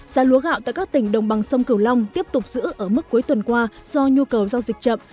giá lúa gạo tại các tỉnh đồng bằng sông cửu long tiếp tục giữ ở mức cuối tuần qua do nhu cầu giao dịch chậm